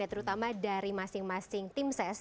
terutama dari masing masing tim ses